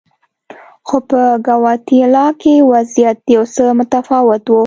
خو په ګواتیلا کې وضعیت یو څه متفاوت و.